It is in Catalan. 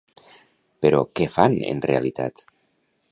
Però què fan, en realitat?